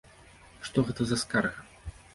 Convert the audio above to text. Што гэта за скарга?